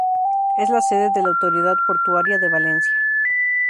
Es la sede de la Autoridad Portuaria de Valencia.